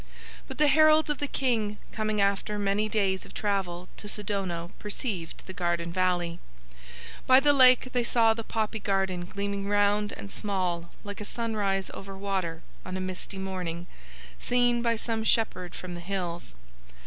But the heralds of the King coming after many days of travel to Sidono perceived the garden valley. By the lake they saw the poppy garden gleaming round and small like a sunrise over water on a misty morning seen by some shepherd from the hills.